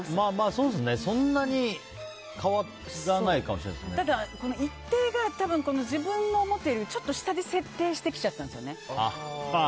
そうですね、そんなにただ、一定が多分自分が思っているちょっと下で設定してきちゃったんですよね。